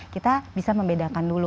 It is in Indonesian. kita bisa membedakan dulu